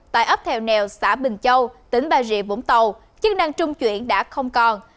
tại ấp thèo nèo xã bình châu tỉnh bà rịa vũng tàu chức năng trung chuyển đã không còn